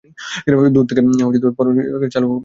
দূর থেকে পশু নিয়ন্ত্রণ ব্যবস্থা চালু করা হয়েছে।